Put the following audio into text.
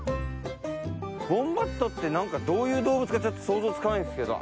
ウォンバットってどういう動物か想像つかないんですけど。